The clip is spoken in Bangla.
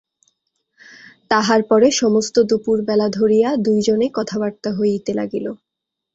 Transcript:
তাহার পরে সমস্ত দুপুরবেলা ধরিয়া দুইজনে কথাবার্তা হইতে লাগিল।